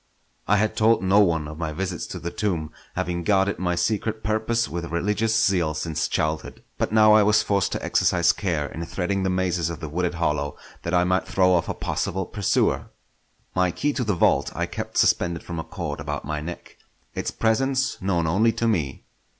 I had told no one of my visits to the tomb, having guarded my secret purpose with religious zeal since childhood; but now I was forced to exercise care in threading the mazes of the wooded hollow, that I might throw off a possible pursuer. My key to the vault I kept suspended from a cord about my neck, its presence known only to me.